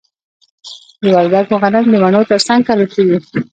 د وردګو غنم د مڼو ترڅنګ کرل کیږي.